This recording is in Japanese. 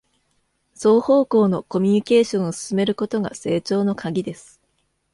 双方向のコミュニケーションを進めることが成長のカギです